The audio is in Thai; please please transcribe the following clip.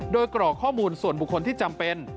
โดยกรอกข้อมูลส่วนบุคคลที่จำเป็น